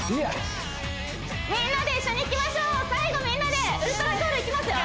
みんなで一緒にいきましょう最後みんなで「ウルトラソウル」いきますよ